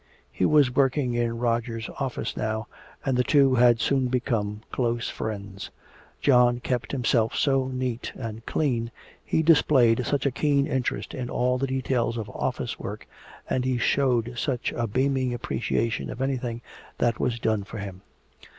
He was working in Roger's office now and the two had soon become close friends. John kept himself so neat and clean, he displayed such a keen interest in all the details of office work, and he showed such a beaming appreciation of anything that was done for him.